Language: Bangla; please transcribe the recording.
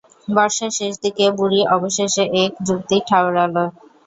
বর্ষার শেষদিকে বুড়ি অবশেষে এক যুক্তি ঠাওরাইল।